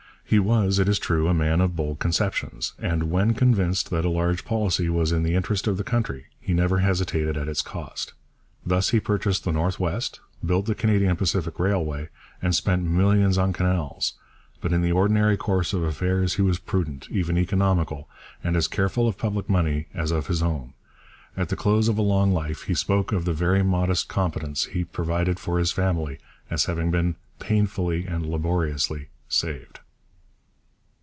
He was, it is true, a man of bold conceptions, and when convinced that a large policy was in the interest of the country, he never hesitated at its cost. Thus he purchased the North West, built the Canadian Pacific Railway, and spent millions on canals. But in the ordinary course of affairs he was prudent, even economical, and as careful of public money as of his own. At the close of a long life he spoke of the very modest competence he had provided for his family as having been 'painfully and laboriously saved.'